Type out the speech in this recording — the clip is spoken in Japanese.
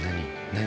何？